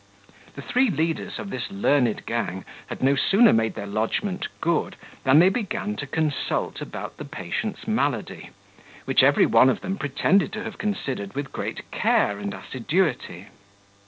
The three leaders of this learned gang had no sooner made their lodgment good, than they began to consult about the patient's malady, which every one of them pretended to have considered with great care and assiduity.